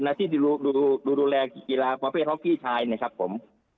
นักที่ดูแลกีฬาประเภทฮอกกี้ชายเนี่ยครับผม